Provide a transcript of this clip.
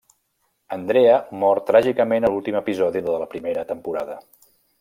Andrea mor tràgicament a l'últim episodi de la primera temporada.